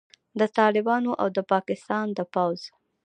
د طالبانو او د پاکستان د پوځ